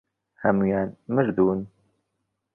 هەموویان مردوون.